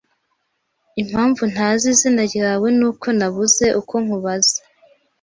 Impamvu ntazi izina ryawe nuko nabuze uko nkubaza